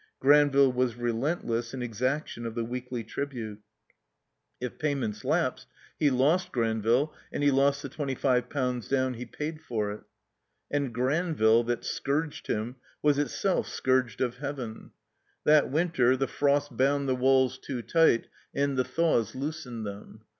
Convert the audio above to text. Gran ville was relentless in eacaction of the weekly tribute. If pajmients lapsed, he lost Granville and he lost the twenty five ixnmds down he paid for it. And Granville, that scourged him, was itself scourged of Heaven. That mtvtet the frosts bound THE COMBINED MAZE the walls too tight and the thaws loosened them.